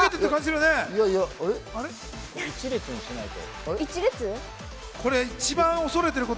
１列にしないと。